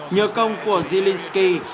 nhờ công của zielinski